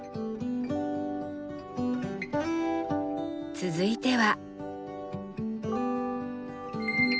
続いては。